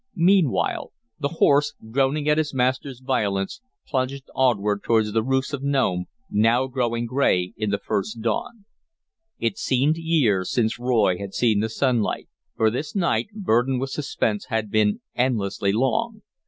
Meanwhile, the horse, groaning at his master's violence, plunged onward towards the roofs of Nome, now growing gray in the first dawn. It seemed years since Roy had seen the sunlight, for this night, burdened with suspense, had been endlessly long.